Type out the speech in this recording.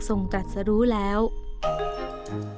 พระพุทธปฏิมาปางสมาธิ